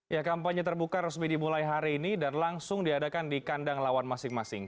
ya kampanye terbuka resmi dimulai hari ini dan langsung diadakan di kandang lawan masing masing